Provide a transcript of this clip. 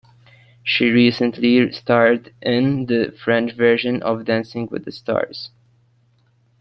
She recently starred in the French version of "Dancing with the Stars".